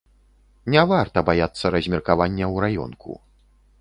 Не варта баяцца размеркавання ў раёнку.